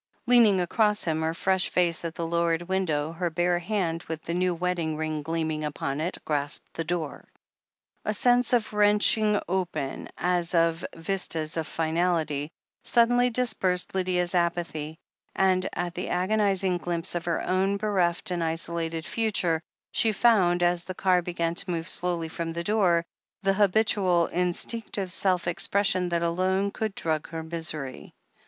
Leaning across him, her fresh face at the lowered win dow, her bare hand, with the new wedding ring gleam ing upon it, grasped the door. ^ 1 THE HEEL OF ACHILLES 481 A sense of wrenching open, as of vistas of finality, suddenly dispersed Lydia's apathy, and, at the agoniz ing glimpse of her own bereft and isolated future, she found, as the car began to move slowly from the door, the habitual, instinctive self expression that alone could drug her misery.